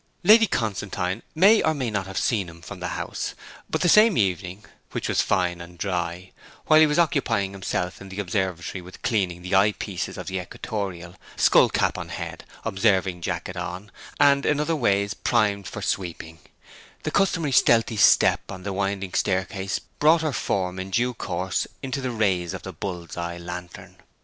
Lady Constantine may or may not have seen him from the house; but the same evening, which was fine and dry, while he was occupying himself in the observatory with cleaning the eye pieces of the equatorial, skull cap on head, observing jacket on, and in other ways primed for sweeping, the customary stealthy step on the winding staircase brought her form in due course into the rays of the bull's eye lantern.